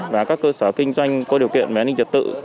và các cơ sở kinh doanh có điều kiện về an ninh trật tự